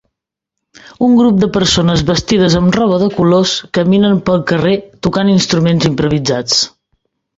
Un grup de persones vestides amb roba de colors caminen pel carrer tocant instruments improvisats.